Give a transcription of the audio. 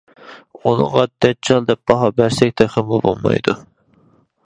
ئۇنىڭغا «دەججال» دەپ باھا بەرسەك تېخىمۇ بولمايدۇ.